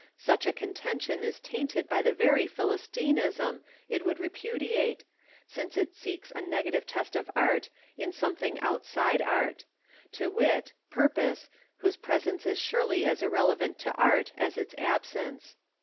Such a contention is tainted by the very Philistinism it would repudiate, since it seeks a negative test of art in something outside art to wit, purpose, whose presence is surely as irrelevant to art as its absence.